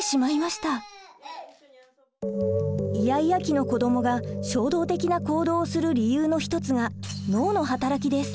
イヤイヤ期の子どもが衝動的な行動をする理由の一つが脳の働きです。